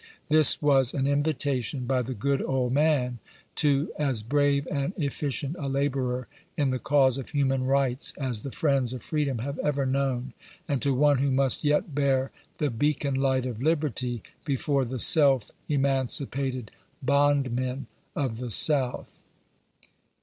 This was an invitation by the good old man to as brave and efficient a laborer in the cause of human rights as the friends of freedom have ever known ; and to one who must yet bear the beacon light of liberty before the self emancipated bond men of the South.